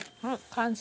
完成。